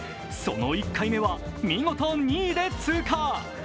その１回目は見事２位で通過。